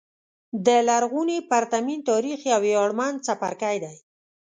د لرغوني پرتمین تاریخ یو ویاړمن څپرکی دی.